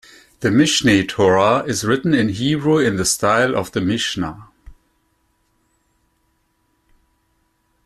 The "Mishneh Torah" is written in Hebrew in the style of the "Mishnah".